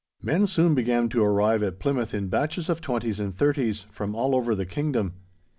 Men soon began to arrive at Plymouth in batches of twenties and thirties, from all over the Kingdom.